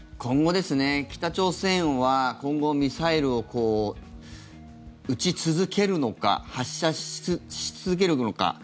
北朝鮮は今後、ミサイルを撃ち続けるのか発射し続けるのか